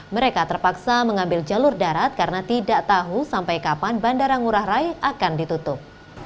mereka terpaksa mengambil jalur darat karena tidak tahu sampai kapan bandara ngurah rai akan ditutup